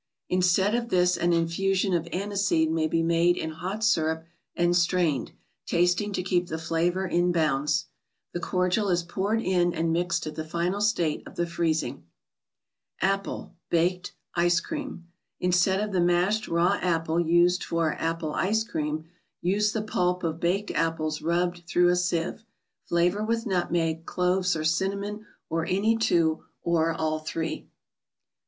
(Instead of this an infusion of aniseed may be made in hot syrup and strained, tasting to keep the flavor in bounds). The cordial is poured state of the freezing. in and mixed at the final apple (BafceD) 3Ice*Cteam. Inste * d J ofthe v ; mashed raw apple used for " Apple Ice Cream," use the pulp of baked apples rubbed through a sieve. Flavor with nut meg, cloves or cinnamon, or any two, or all three.